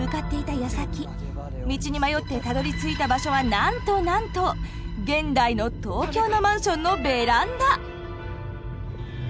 やさき道に迷ってたどりついた場所はなんとなんと現代の東京のマンションのベランダ。